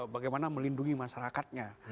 bagaimana melindungi masyarakatnya